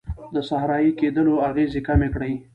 د صحرایې کیدلو اغیزې کمې کړي.